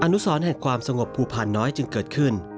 อนุสรรความสงบภูพาน้อยจึงเกิดขึ้น